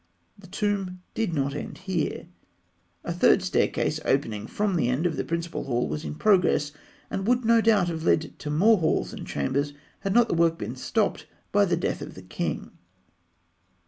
The tomb did not end here. A third staircase (E) opening from the end of the principal hall was in progress, and would no doubt have led to more halls and chambers, had not the work been stopped by the death of the king.